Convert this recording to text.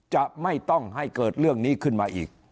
จะไม่ต้องให้เกิดเรื่องนี้ขึ้นมาอีก